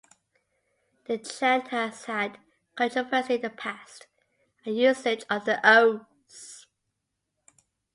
The chant has had controversy in the past, and the usage of the O's!